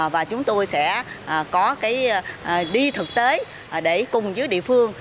và chúng tôi sẽ có cái đi thực tế để cùng với địa phương